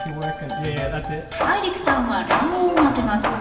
ＴＡＩＲＩＫさんは卵黄を混ぜます。